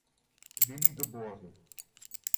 Willi geboren.